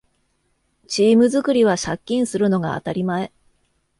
チーム作りは借金するのが当たり前